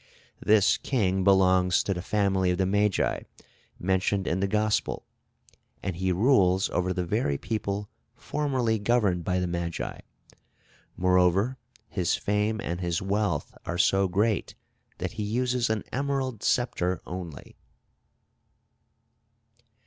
This king belongs to the family of the Magi, mentioned in the Gospel, and he rules over the very people formerly governed by the Magi; moreover, his fame and his wealth are so great, that he uses an emerald sceptre only.